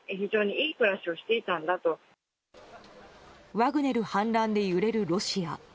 ワグネル反乱で揺れるロシア。